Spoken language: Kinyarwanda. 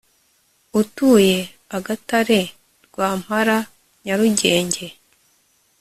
utuye Agatare Rwampala Nyarugenge